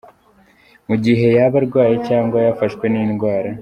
mu gihe yaba arwaye cyangwa yafashwe n’ indwara .